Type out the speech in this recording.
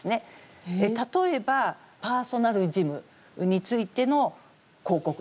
例えばパーソナルジムについての広告ですね。